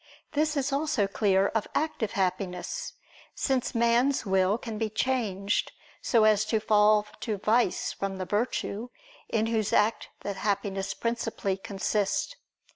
This is also clear of active happiness: since man's will can be changed so as to fall to vice from the virtue, in whose act that happiness principally consists.